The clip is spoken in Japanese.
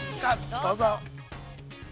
どうぞ。